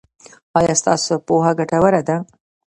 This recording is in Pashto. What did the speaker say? ایا ستاسو پوهه ګټوره ده؟